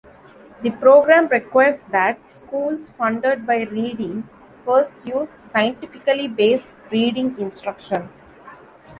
The program requires that schools funded by Reading First use "scientifically based" reading instruction.